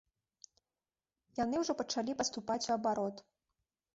Яны ўжо пачалі паступаць у абарот.